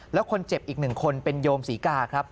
แล้วคนเจ็บอีกหนึ่งคนเป็นโยมศรีกาครับ